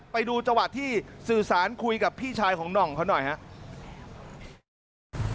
ไปดูจที่สื่อสารคุยกับพี่ชายของนองพันดีนะครับ